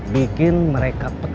bikin mereka pecah